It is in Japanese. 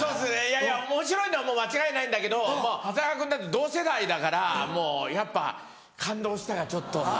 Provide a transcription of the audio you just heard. いやいやおもしろいのはもう間違いないんだけど長谷川君だって同世代だからもうやっぱ「感動した」がちょっと。